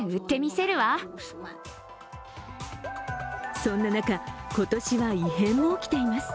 そんな中、今年は異変も起きています。